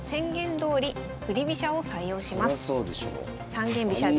三間飛車です。